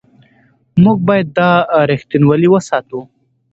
موږ باید دا رښتینولي وساتو.